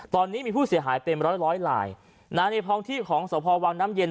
ตอนนี้มีผู้เสียหายเป็นร้อยร้อยลายในท้องที่ของสพวังน้ำเย็น